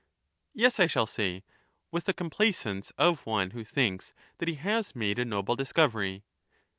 Yes, I shall say, with the complacence of one who thinks that he has made a noble discovery.